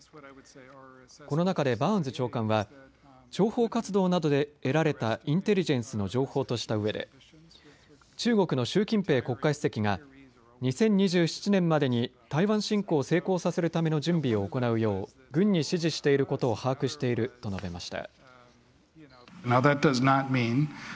この中でバーンズ長官は諜報活動などで得られたインテリジェンスの情報としたうえで中国の習近平国家主席が２０２７年までに台湾侵攻を成功させるための準備を行うよう軍に指示していることを把握していると述べました。